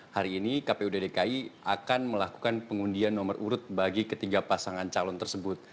hari ini kpud dki akan melakukan pengundian nomor urut bagi ketiga pasangan calon tersebut